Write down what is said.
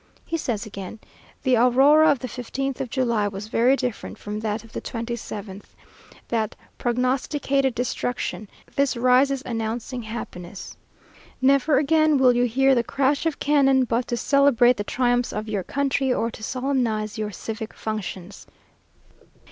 he says again, "the aurora of the 15th of July was very different from that of the 27th; that prognosticated destruction, this rises announcing happiness. _Never again will you hear the crash of cannon but to celebrate the triumphs of your country, or to solemnize your civic functions."